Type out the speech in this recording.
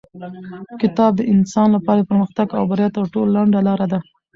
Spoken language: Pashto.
کتاب د انسان لپاره د پرمختګ او بریا تر ټولو لنډه لاره ده.